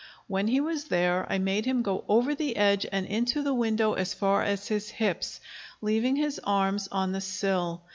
When he was there, I made him go over the edge and into the window as far as his hips, leaving his arms on the sill.